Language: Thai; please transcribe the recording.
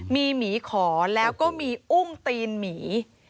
มีหมีขอแล้วก็มีอุ้งตีนหมี